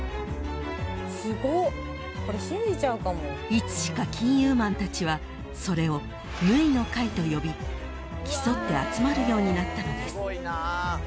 ［いつしか金融マンたちはそれを縫の会と呼び競って集まるようになったのです］